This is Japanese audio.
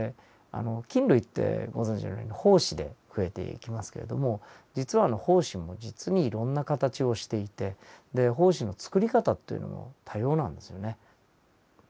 あの菌類ってご存じのように胞子で増えていきますけれども実はあの胞子も実にいろんな形をしていて胞子のつくり方というのも多様なんですよね。